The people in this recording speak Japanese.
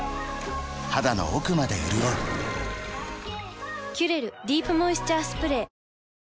肌の奥まで潤う「キュレルディープモイスチャースプレー」